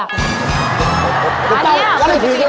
อันนี้อ่ะเออ